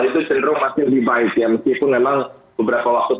itu cenderung masih lebih baik ya meskipun memang beberapa waktu terakhir